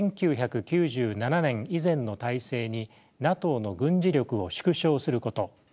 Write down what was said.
１９９７年以前の態勢にＮＡＴＯの軍事力を縮小すること